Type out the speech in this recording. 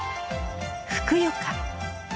ふくよか！